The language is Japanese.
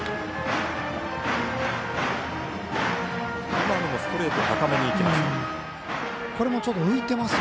今のもストレート高めにいきました。